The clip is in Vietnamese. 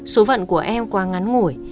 số vận của em quá ngắn ngủi